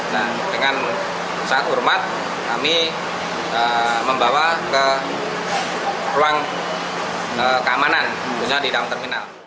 dengan saat urmat kami membawa ke ruang keamanan misalnya di dalam terminal